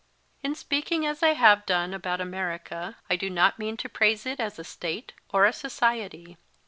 In speaking as I have done about America I do not mean to praise it as a State or a society.